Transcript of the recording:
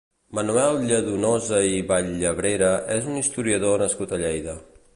Manuel Lladonosa i Vall-llebrera és un historiador nascut a Lleida.